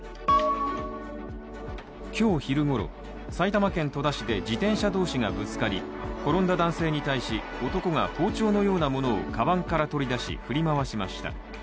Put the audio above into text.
今日昼ごろ、埼玉県戸田市で自転車同士がぶつかり、転んだ男性に対し、男が包丁のようなものをかばんから取り出し、振り回しました。